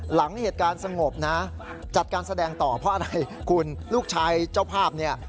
หลังเหตุการณ์สงบนะจัดการแสดงต่อเพราะอะไรคุณลูกชายเจ้าภาพเนี่ย